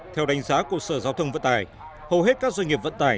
theo đánh giá của sở giao thông vận tải hầu hết các doanh nghiệp vận tải